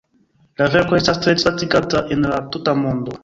La verko estas tre disvastigata en la tuta mondo.